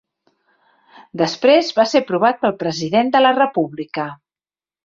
Després va ser aprovat pel President de la República.